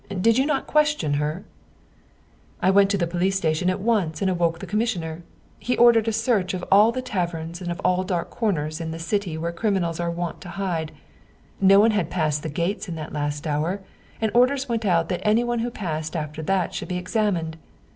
Did you not question her ?"" I went to the police station at once and awoke the com missioner. He ordered a search of all the taverns and of all dark corners of the city where criminals are wont to hide. No one had passed the gates in that last hour, and orders went out that anyone who passed after that should be examined.